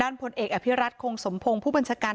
ด่านพลเอกอภิรัตโครงสมภงผู้บัญชการทหารบก